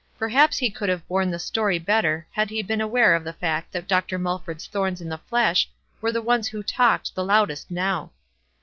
Perhaps he could have borne the story better had he been awaie of the fact that Dr. Mulford's thorns in the flesh were the ones who talked the loud est now.